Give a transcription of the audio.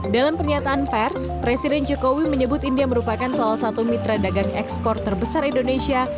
dalam pernyataan pers presiden jokowi menyebut india merupakan salah satu mitra dagang ekspor terbesar indonesia